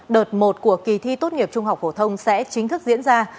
đợt một của kỳ thi tốt nghiệp trung học phổ thông sẽ chính thức diễn ra